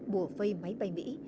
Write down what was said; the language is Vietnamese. bùa phây máy bay mỹ